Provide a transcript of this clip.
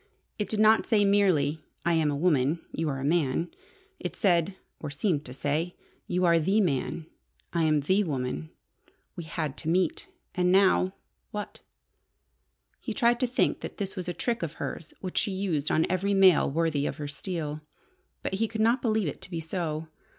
It did not say merely, "I am a woman. You are a man." It said or seemed to say "You are the man. I am the woman. We had to meet. And now what?" He tried to think that this was a trick of hers which she used on every male worthy of her steel. But he could not believe it to be so.